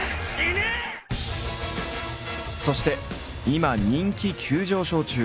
そして今人気急上昇中。